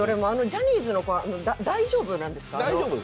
ジャニーズの子は大丈夫なんですか？